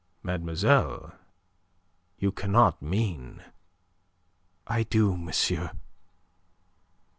"Mademoiselle, you cannot mean..." "I do, monsieur...